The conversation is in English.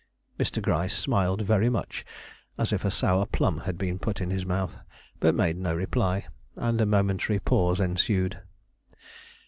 Mr. Gryce smiled very much as if a sour plum had been put in his mouth, but made no reply; and a momentary pause ensued.